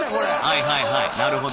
はいはいはいなるほど。